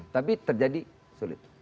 tapi terjadi sulit